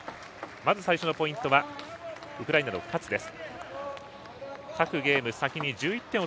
まず最初のポイントはウクライナのカツです。